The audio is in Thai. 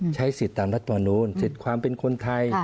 ใช้สิทธิ์ตามรัฐมนูลสิทธิ์ความเป็นคนไทย